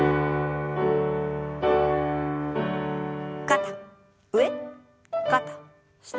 肩上肩下。